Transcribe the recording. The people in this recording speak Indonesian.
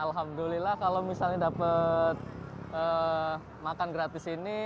alhamdulillah kalau misalnya dapat makan gratis ini